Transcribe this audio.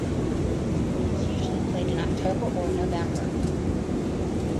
It is usually played in October or November.